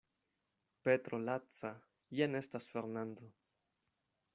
Petro laca, jen estas Fernando.